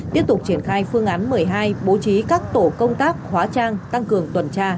tiếp tục triển khai phương án một mươi hai bố trí các tổ công tác hóa trang tăng cường tuần tra